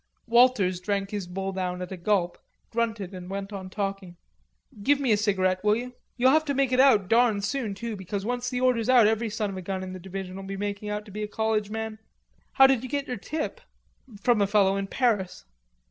Walters drank his bowl down at a gulp, grunted and went on talking. "Give me a cigarette, will you?... You'll have to make it out darn soon too, because once the order's out every son of a gun in the division'll be making out to be a college man. How did you get your tip?" "From a fellow in Paris."